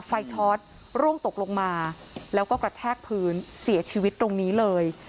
ชอตร่วงตกลงมาแล้วก็กระแทกพื้นเสียชีวิตตรงนี้เลย